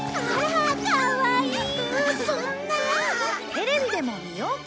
テレビでも見ようか。